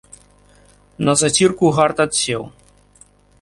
На зацірку гарт адсеў.